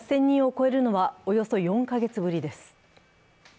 ８０００人を超えるのはおよそ４カ月ぶりです。